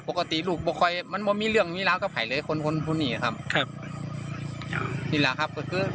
พ่อมีเรื่องแล้วผมก็ตกใจมาครับ